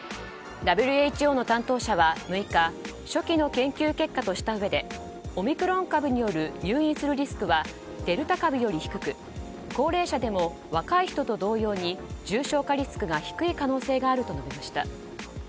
ＷＨＯの担当者は６日初期の研究結果としたうえでオミクロン株により入院するリスクはデルタ株より低く高齢者でも若い人と同様に重症化リスクが低い可能性があると述べました。